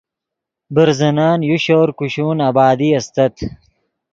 برزنن یو شور کوشون آبادی استت